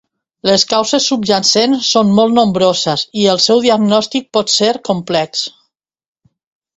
Les causes subjacents són molt nombroses, i el seu diagnòstic pot ser complex.